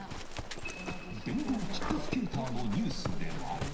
電動キックスケーターのニュースでは。